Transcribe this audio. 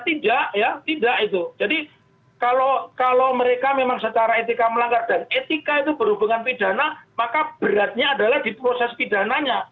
tidak ya tidak itu jadi kalau mereka memang secara etika melanggar dan etika itu berhubungan pidana maka beratnya adalah di proses pidananya